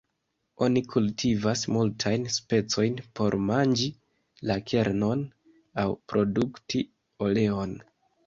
Oni kultivas multajn specojn por manĝi la kernon aŭ produkti oleon.